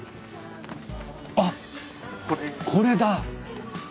あっこれだ。